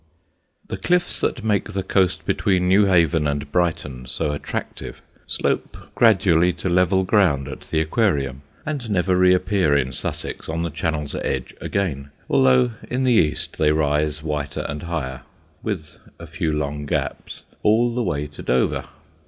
The cliffs that make the coast between Newhaven and Brighton so attractive slope gradually to level ground at the Aquarium and never reappear in Sussex on the Channel's edge again, although in the east they rise whiter and higher, with a few long gaps, all the way to Dover.